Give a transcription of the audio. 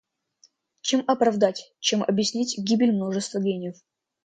Чем оправдать, чем объяснить гибель множества гениев?